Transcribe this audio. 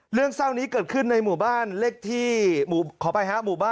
เรื่องเศร้านี้เกิดขึ้นในหมู่บ้านเลขที่ขออภัยฮะ